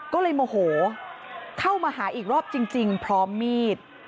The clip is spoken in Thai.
ก็เลยโมโหเข้ามาหาอีกรอบจริงพร้อมมีด